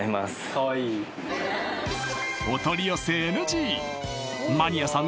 かわいいお取り寄せＮＧマニアさん